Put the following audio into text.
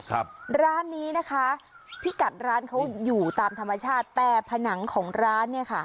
ครับร้านนี้นะคะพี่กัดร้านเขาอยู่ตามธรรมชาติแต่ผนังของร้านเนี่ยค่ะ